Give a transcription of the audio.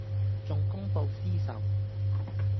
仲公報私仇